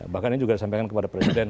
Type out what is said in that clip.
bahkan ini juga disampaikan kepada presiden